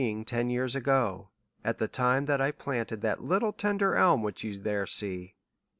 o ten years ai»'o, at the time that I planted that littk te.uier eini vvhich you there see.